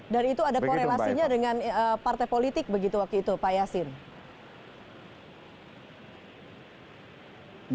dan itu ada korelasinya dengan partai politik begitu waktu itu pak yasin